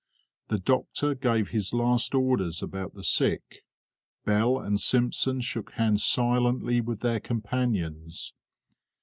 The doctor gave his last orders about the sick; Bell and Simpson shook hands silently with their companions.